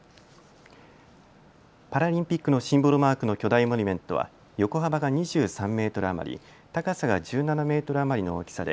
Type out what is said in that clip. パラリンピックのシンボルマークの巨大モニュメントは横幅が２３メートル余り、高さが１７メートル余りの大きさで